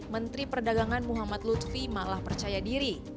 menteri perdagangan muhammad lutfi malah percaya diri